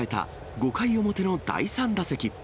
５回表の第３打席。